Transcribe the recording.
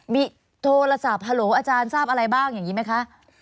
มีโทรศัพท์ฮัลโหลอาจารย์ทราบอะไรบ้างอย่างนี้ไหมคะ